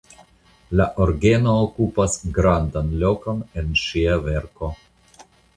La orgeno okupas grandan lokon en ŝia verko.